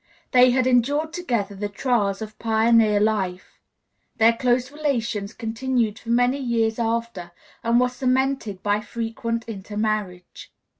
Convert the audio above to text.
They had endured together the trials of pioneer life; their close relations continued for many years after, and were cemented by frequent intermarriage.